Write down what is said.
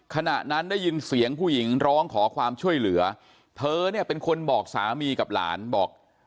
ขณะนั้นได้ยินเสียงผู้หญิงร้องขอความช่วยเหลือเธอเนี่ยเป็นคนบอกสามีกับหลานบอก